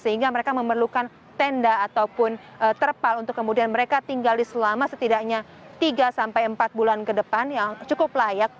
sehingga mereka memerlukan tenda ataupun terpal untuk kemudian mereka tinggal selama setidaknya tiga sampai empat bulan ke depan yang cukup layak